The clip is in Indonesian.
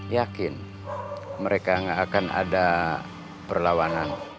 yakin mereka tidak akan ada perlawanan